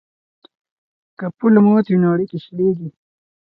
که پل مات وي نو اړیکې شلیږي.